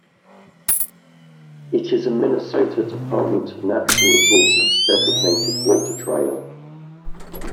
It is a Minnesota Department of Natural Resources designated Water Trail.